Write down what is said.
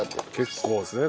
結構ですね。